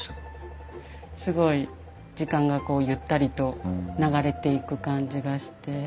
すごい時間がゆったりと流れていく感じがして。